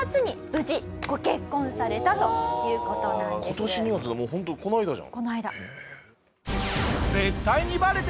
今年２月ってホントこの間じゃん。